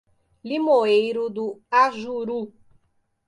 Limoeiro do Ajuru